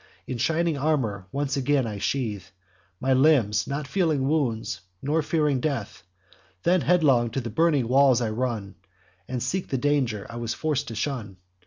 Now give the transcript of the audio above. In shining armour once again I sheathe My limbs, not feeling wounds, nor fearing death. Then headlong to the burning walls I run, And seek the danger I was forc'd to shun.